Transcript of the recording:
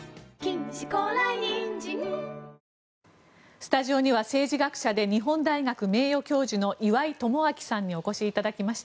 スタジオには政治学者で日本大学名誉教授の岩井奉信さんにお越しいただきました。